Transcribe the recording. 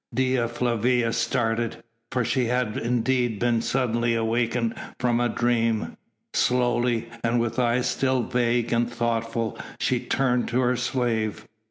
Dea Flavia started, for she had indeed been suddenly awakened from a dream. Slowly, and with eyes still vague and thoughtful, she turned to her slave.